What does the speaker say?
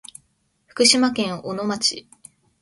福島県小野町